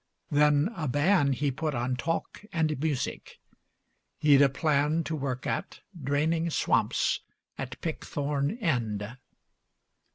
Then a ban He put on talk and music. He'd a plan To work at, draining swamps at Pickthorn End.